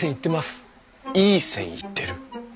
いい線いってる？